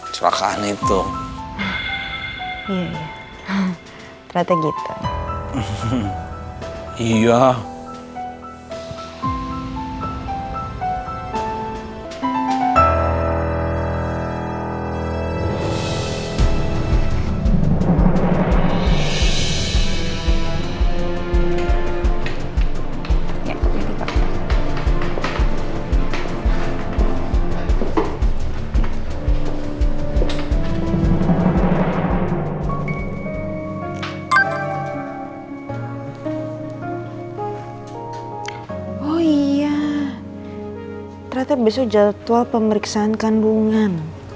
ternyata besok jadwal pemeriksaan kandungan